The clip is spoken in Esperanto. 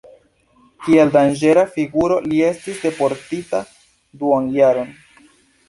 Kiel danĝera figuro li estis deportita duonjaron.